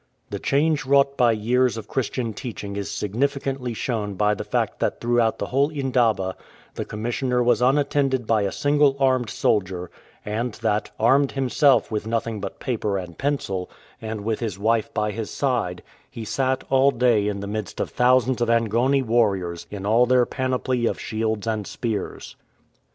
The change wrought by years of Christian teaching is significantly shown by the fact that throughout the whole indaba the Commissioner was un attended by a single armed soldier, and that, armed him self with nothing but paper and pencil, and with his wife 141 ARAB SLAVERS by his side, he sat all day in the midst of thousands of Angoni warriors in all their panoply of shields and spears.